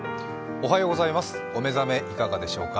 お目覚めいかがでしょうか。